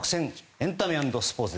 エンタメ＆スポーツ。